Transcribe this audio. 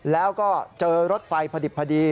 แล้วก็เจอรถไฟพอดิบพอดี